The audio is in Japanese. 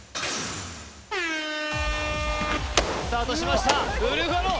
スタートしましたウルフアロン